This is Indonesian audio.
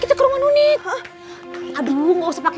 tidak meng verwelwherekan kandungan sbagu